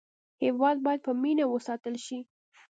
هېواد باید په مینه وساتل شي.